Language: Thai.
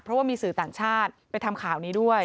เพราะว่ามีสื่อต่างชาติไปทำข่าวนี้ด้วย